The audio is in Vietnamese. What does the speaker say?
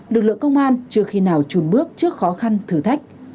lực lượng công an chưa khi nào trùn bước trước khó khăn thử thách